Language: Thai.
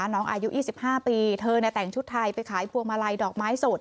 อายุ๒๕ปีเธอแต่งชุดไทยไปขายพวงมาลัยดอกไม้สด